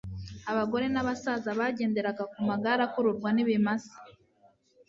Abagore n'abasaza bagenderega ku magare akururwa n'ibimasa